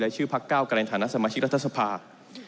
และชื่อภาคเก้ากรรณฐานทรมาชิกรัฐสภาพ